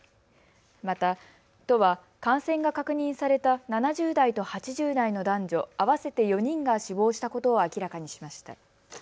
また、都は感染が確認された７０代と８０代の男女合わせて４人が死亡したことを明らかにしました。